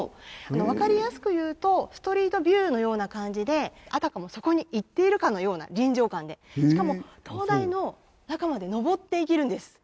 わかりやすく言うとストリートビューのような感じであたかもそこに行っているかのような臨場感でしかも灯台の中まで上っていけるんです。